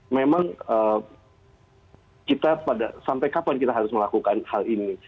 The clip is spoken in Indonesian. memang sampai kapan kita harus melakukan hal ini